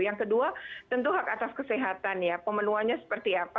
yang kedua tentu hak atas kesehatan ya pemenuhannya seperti apa